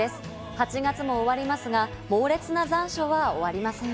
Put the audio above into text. ８月も終わりますが、猛烈な残暑は終わりません。